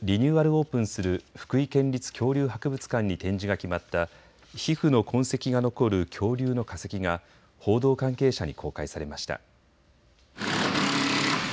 オープンする福井県立恐竜博物館に展示が決まった皮膚の痕跡が残る恐竜の化石が報道関係者に公開されました。